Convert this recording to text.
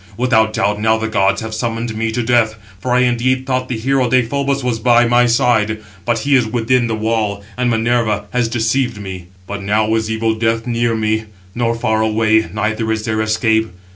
without doubt, now the gods have summoned me to death. For I indeed thought the hero Deïphobus was by my side; but he is within the wall, and Minerva has deceived me. But now is evil death near me, nor far away, neither is there escape.